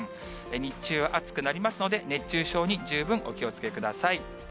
日中、暑くなりますので、熱中症に十分お気をつけください。